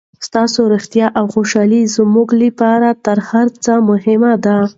ستاسو روغتیا او خوشحالي زموږ لپاره تر هر څه مهمه ده.